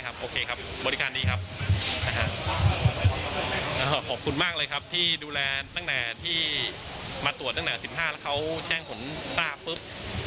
ขอบคุณมากเลยครับที่ดูแลตั้งแต่ที่มาตรวจตั้งแต่๑๕แล้วเขาแจ้งผลทราบ